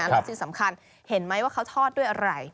และสิ่งสำคัญเห็นไหมว่าเขาทอดด้วยอะไร